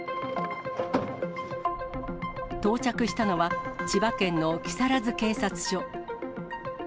到着したのは千葉県の木更津警察署。